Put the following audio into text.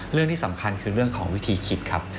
เรื่องที่สำคัญคือเรื่องของวิธีคิดครับ